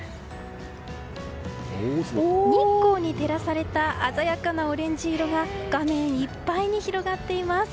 日光に照らされた鮮やかなオレンジ色が画面いっぱいに広がっています。